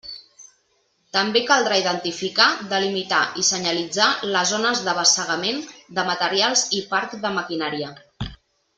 També caldrà identificar, delimitar i senyalitzar les zones d'abassegament de materials i parc de maquinària.